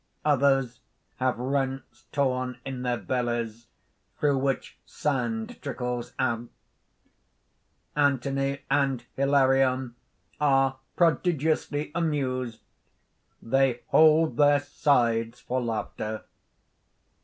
Others have rents torn in their bellies through which sand trickles out._ _Anthony and Hilarion are prodigiously amused. They hold their sides for laughter.